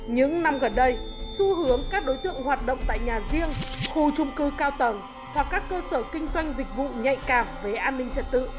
những năm gần đây xu hướng các đối tượng hoạt động tại nhà riêng khu trung cư cao tầng hoặc các cơ sở kinh doanh dịch vụ nhạy cảm về an ninh trật tự